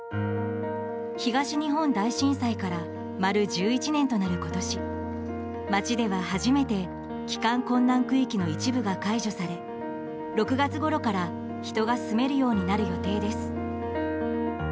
東日本大震災から丸１１年となる今年町では初めて帰還困難区域の一部が解除され６月ごろから人が住めるようになる予定です。